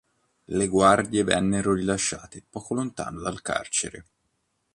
Le guardie vennero rilasciate poco lontano dal carcere.